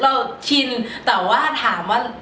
ชินแต่ว่าถามว่า